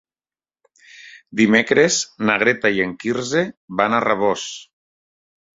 Dimecres na Greta i en Quirze van a Rabós.